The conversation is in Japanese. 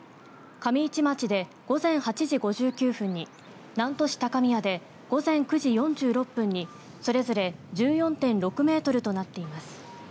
上市町で午前８時５９分に南砺市高宮で午前９時４６分にそれぞれ１４．６メートルとなっています。